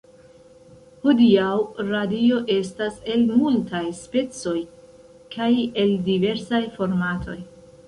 Hodiaŭ, radio estas el multaj specoj, kaj el diversaj formatoj.